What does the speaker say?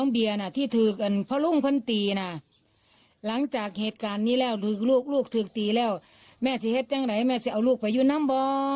ปีใหม่ปีใหม่มันบ้าค่ะอ๋อ